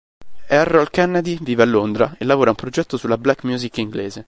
Errol Kennedy vive a Londra e lavora a un progetto sulla black music inglese.